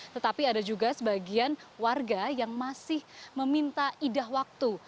tetapi ada juga sebagian warga yang masih meminta idah waktu